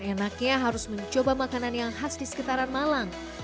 enaknya harus mencoba makanan yang khas di sekitaran malang